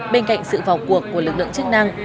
bên cạnh sự vào cuộc của lực lượng chức năng